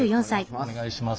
お願いします。